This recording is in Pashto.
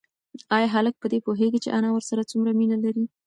ایا هلک په دې پوهېږي چې انا ورسره څومره مینه لري؟